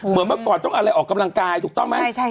เมื่อก่อนต้องอะไรออกกำลังกายถูกต้องไหม